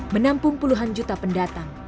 menampung puluhan juta pendatang